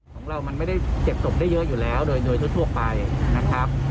ของเรามันไม่ได้เก็บศพได้เยอะอยู่แล้วโดยทั่วไปนะครับ